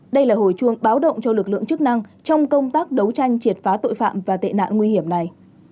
đây là hồi chuông báo động cho lực lượng chức năng trong công tác đấu tranh triệt phá tội phạm và tệ nạn nguy hiểm này